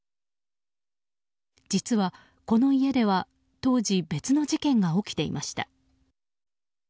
実は、この家では当時別の事件が起きていました。